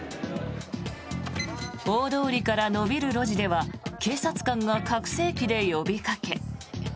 大通りから延びる路地では警察官が拡声器で呼びかけ。